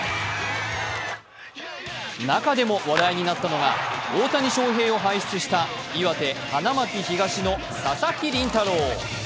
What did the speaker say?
中でも話題になったのが大谷翔平を輩出した岩手・花巻東の佐々木麟太郎。